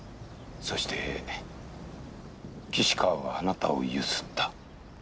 そして岸川はあなたをゆすった